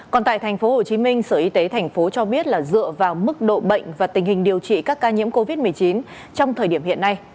còn tại tp hcm sở y tế tp cho biết là dựa vào mức độ bệnh và tình hình điều trị các ca nhiễm covid một mươi chín trong thời điểm hiện nay